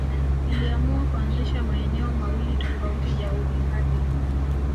Iliamua kuanzisha maeneo mawili tofauti ya uhifadhi